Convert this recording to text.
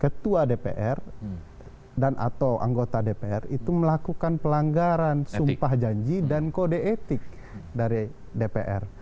ketua dpr dan atau anggota dpr itu melakukan pelanggaran sumpah janji dan kode etik dari dpr